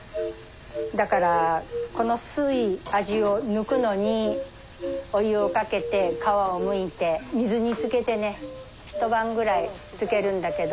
だからこの酸い味を抜くのにお湯をかけて皮をむいて水につけてね一晩くらいつけるんだけど。